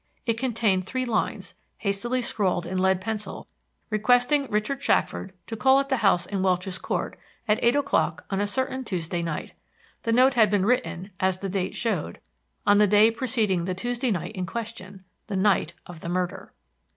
It contained three lines, hastily scrawled in lead pencil, requesting Richard Shackford to call at the house in Welch's Court at eight o'clock on a certain Tuesday night. The note had been written, as the date showed, on the day preceding the Tuesday night in question the night of the murder!